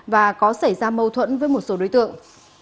và có xảy ra mâu thuẫn với một số đối tượng